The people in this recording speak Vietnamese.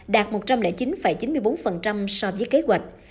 đạt một trăm linh chín chín mươi bốn so với kế hoạch